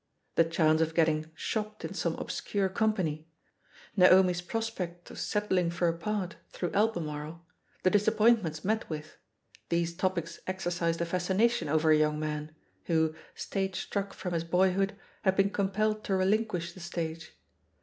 The chance of getting "shopped" in some obscure company, Naomi's prospect of settling for a part, through Albemarle, the disappointments met with — ^these topics exercised a fascination over a young man, who, stage struck from his boyhood, had been compelled to relinquish the stage.